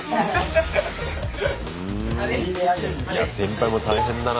いや先輩も大変だな